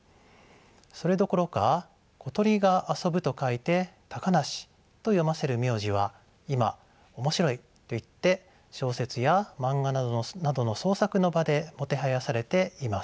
それどころか小鳥が遊ぶと書いて「たかなし」と読ませる名字は今面白いといって小説や漫画などの創作の場でもてはやされています。